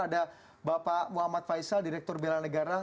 ada bapak muhammad faisal direktur bela negara